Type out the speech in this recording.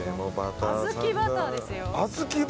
小豆バターですよ。